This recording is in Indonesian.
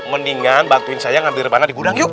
mendingan bantuin saya ngambil rebahan di gudang yuk